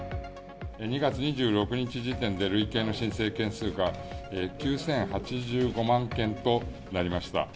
２月２６日時点で累計の申請件数が９０８５万件となりました。